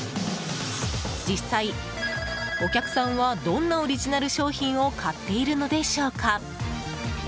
実際、お客さんはどんなオリジナル商品を買っているのでしょうか？